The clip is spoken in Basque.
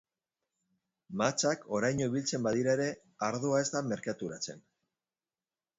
Mahatsak oraino biltzen badira ere, ardoa ez da merkaturatzen.